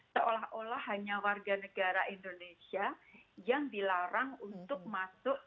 seolah olah hanya warga negara indonesia yang dilarang untuk masuk